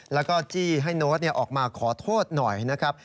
แล้วก็จี้ให้โน้ตออกมาขอโทษหน่อยนะครับ